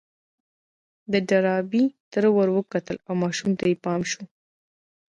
د ډاربي تره ور وکتل او ماشومې ته يې پام شو.